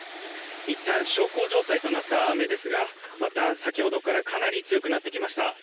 いったん小康状態となった雨ですがまた先ほどからかなり強くなってきました。